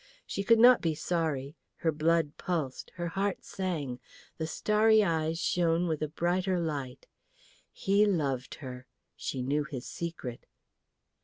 She could not be sorry; her blood pulsed, her heart sang, the starry eyes shone with a brighter light. He loved her. She knew his secret.